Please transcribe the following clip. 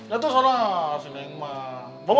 jatuh sana si neng emang